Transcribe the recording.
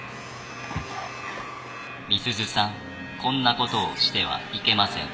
美鈴さんこんなことをしてはいけません。